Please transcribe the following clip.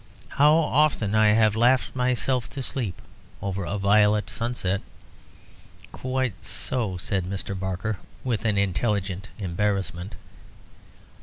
How often I have laughed myself to sleep over a violet sunset." "Quite so," said Mr. Barker, with an intelligent embarrassment.